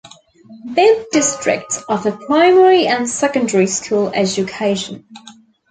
Both districts offer primary and secondary school education.